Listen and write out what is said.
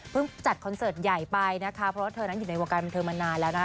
จัดคอนเสิร์ตใหญ่ไปนะคะเพราะว่าเธอนั้นอยู่ในวงการบันเทิงมานานแล้วนะคะ